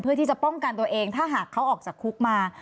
เพื่อที่จะป้องกันตัวเองถ้าหากเขาออกจากคุกมา